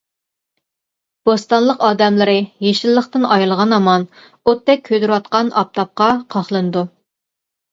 بوستانلىق ئادەملىرى يېشىللىقتىن ئايرىلغان ھامان ئوتتەك كۆيدۈرۈۋاتقان ئاپتاپقا قاقلىنىدۇ.